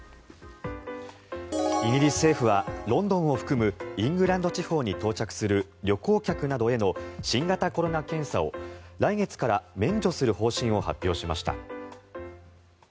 イギリス政府はロンドンを含むイングランド地方に到着する旅行客などへの新型コロナ検査を来月から免除する方針を発表しました。